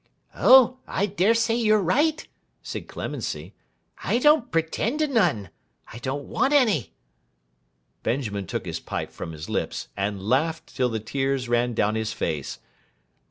'Oh! I dare say you're right,' said Clemency. 'I don't pretend to none. I don't want any.' Benjamin took his pipe from his lips, and laughed till the tears ran down his face.